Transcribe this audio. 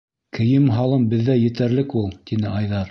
- Кейем-Һалым беҙҙә етерлек ул, - тине Айҙар.